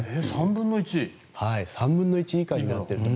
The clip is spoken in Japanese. ３分の１？３分の１以下になっていると。